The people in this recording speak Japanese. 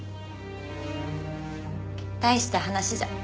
大した話じゃ。